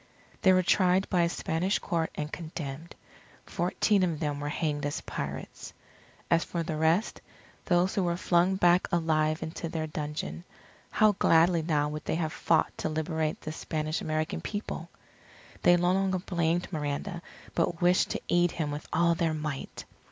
They were tried by a Spanish Court and condemned. Fourteen of them were hanged as pirates. As for the rest, those who were flung back alive into their dungeon, how gladly now would they have fought to liberate the Spanish American People! They no longer blamed Miranda, but wished to aid him with all their might.